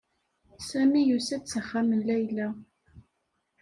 Sami yusa-d s axxam n Layla.